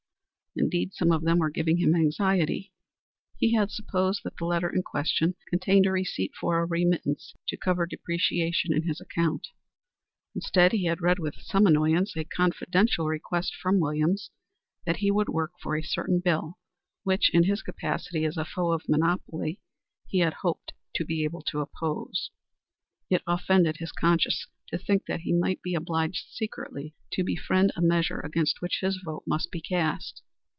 Indeed some of them were giving him anxiety. He had supposed that the letter in question contained a request for a remittance to cover depreciation in his account. Instead he had read with some annoyance a confidential request from Williams that he would work for a certain bill which, in his capacity as a foe of monopoly, he had hoped to be able to oppose. It offended his conscience to think that he might be obliged secretly to befriend a measure against which his vote must be cast.